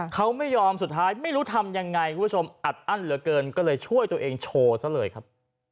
เขาไม่ยอมสุดท้ายไม่รู้ทำยังไงคุณผู้ชมอัดอั้นเหลือเกินก็เลยช่วยตัวเองโชว์ซะเลยครับ